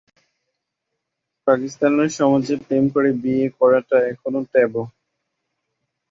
পাকিস্তানের সমাজে প্রেম করে বিয়ে করাটা এখনো ট্যাবু।